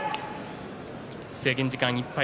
制限時間いっぱい